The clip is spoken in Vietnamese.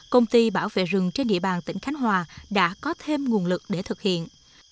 công ty bảo vệ rừng trên địa bàn tỉnh khánh hòa đã có thêm nguồn lực để thực hiện